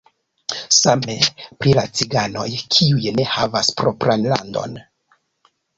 Same pri la ciganoj, kiuj ne havas propran landon.